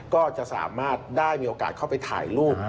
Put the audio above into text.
ก็จะสามารถได้มีโอกาสเข้าไปถ่ายรูป